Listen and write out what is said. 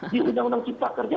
diundang undang cipta kerja